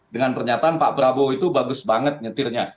dengan pernyataan pak prabowo itu bagus banget nyetirnya